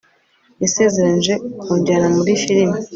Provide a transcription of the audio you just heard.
yasezeranije kunjyana muri firime